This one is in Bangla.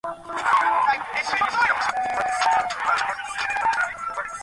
আপনি বুঝতে পারেন তাদের নামের বিপরীতে একটা করে টিক চিহ্ন দিন।